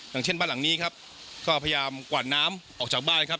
อย่างเช่นบ้านหลังนี้ครับก็พยายามกวาดน้ำออกจากบ้านครับ